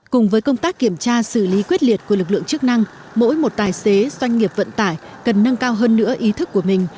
cùng với công tác kiểm tra xử lý quyết liệt của lực lượng chức năng mỗi một tài xế doanh nghiệp vận tải cần nâng cao hơn nữa ý thức của mình